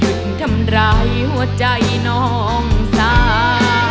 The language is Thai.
ทำร้ายหัวใจน้องสา